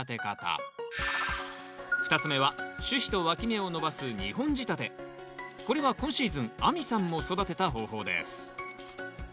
２つ目は主枝とわき芽を伸ばすこれは今シーズン亜美さんも育てた方法です。